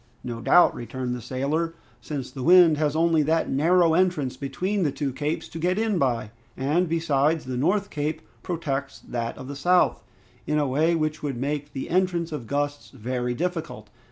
"No doubt," returned the sailor, "since the wind has only that narrow entrance between the two capes to get in by, and, besides, the north cape protects that of the south in a way which would make the entrance of gusts very difficult.